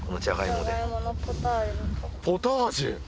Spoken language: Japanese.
ポタージュ！？